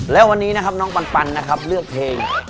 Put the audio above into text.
และวันนี้นะครับน้องปันนะครับเลือกเพลง